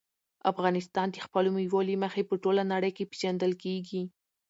افغانستان د خپلو مېوو له مخې په ټوله نړۍ کې پېژندل کېږي.